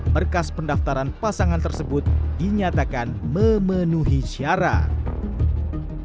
berkas pendaftaran pasangan tersebut dinyatakan memenuhi syarat